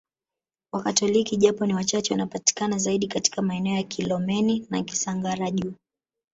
Wakatoliki japo ni wachache wanapatikana zaidi katika maeneo ya Kilomeni na Kisangara Juu